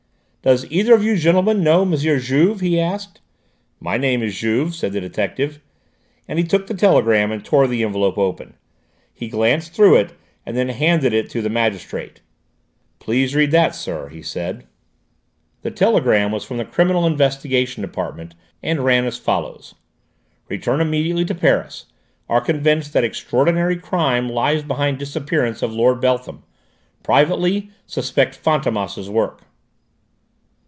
"Does either of you gentlemen know M. Juve?" he asked. "My name is Juve," said the detective, and he took the telegram and tore the envelope open. He glanced through it and then handed it to the magistrate. "Please read that, sir," he said. The telegram was from the Criminal Investigation Department, and ran as follows: "Return immediately to Paris. Are convinced that extraordinary crime lies behind disappearance of Lord Beltham. Privately, suspect Fantômas' work."